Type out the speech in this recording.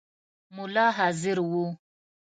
مُلا حاضر وو.